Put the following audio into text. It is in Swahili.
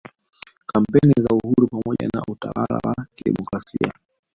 kampeni za uhuru pamoja na utawal wa kidemokrasia